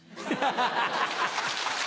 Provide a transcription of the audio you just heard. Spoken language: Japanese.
ハハハ！